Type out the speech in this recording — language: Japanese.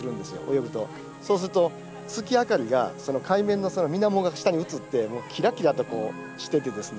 泳ぐとそうすると月明かりがその海面のみなもが下に映ってキラキラとしててですね